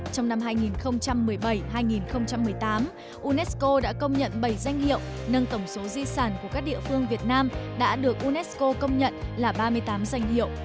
trong năm hai nghìn một mươi bảy hai nghìn một mươi tám unesco đã công nhận bảy danh hiệu nâng tổng số di sản của các địa phương việt nam đã được unesco công nhận là ba mươi tám danh hiệu